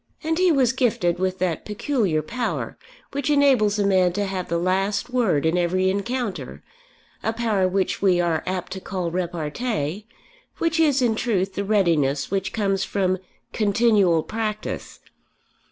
And he was gifted with that peculiar power which enables a man to have the last word in every encounter, a power which we are apt to call repartee, which is in truth the readiness which comes from continual practice.